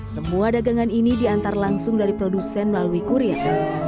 semua dagangan ini diantar langsung dari produsen melalui kurir